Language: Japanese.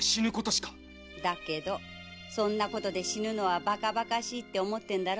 だけどそんなことで死ぬのはバカバカしいと思ってるんだろ？